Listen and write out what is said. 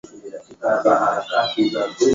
Hii hufahamika kama Enkipukonoto Eaji